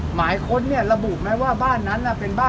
หมายค้นระบุไหมว่าบ้านนั้นน่ะเป็นบ้านรอควะปลอดร